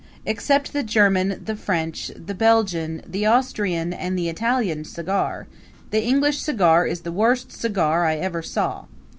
Except the German, the French, the Belgian, the Austrian and the Italian cigar, the English cigar is the worst cigar I ever saw.